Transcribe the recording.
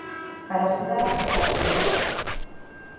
Para estudar e para todo.